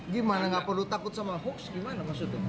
gimana gak perlu takut sama hoax gimana maksudnya